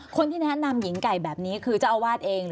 คนที่แนะนำหญิงไก่แบบนี้คือเจ้าอาวาสเองหรือหญิงไก่